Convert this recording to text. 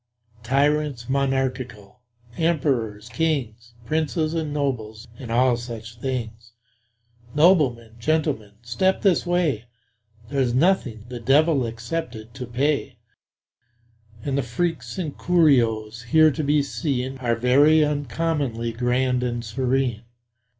Tyrants monarchical emperors, kings, Princes and nobles and all such things Noblemen, gentlemen, step this way: There's nothing, the Devil excepted, to pay, And the freaks and curios here to be seen Are very uncommonly grand and serene.